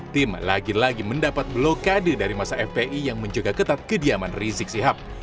tim lagi lagi mendapat blokade dari masa fpi yang menjaga ketat kediaman rizik sihab